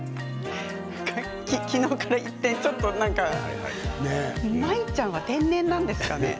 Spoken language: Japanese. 昨日から一転ちょっと舞ちゃんは天然なんですかね。